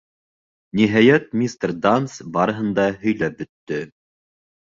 Ниһайәт, мистер Данс барыһын да һөйләп бөттө.